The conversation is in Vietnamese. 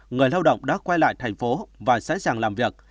người lao động đã quay lại thành phố và sẵn sàng làm việc